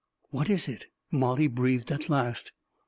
" What is it? " Mollie breathed at last.